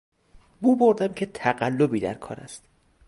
بو بردم که تقلبی در کار است.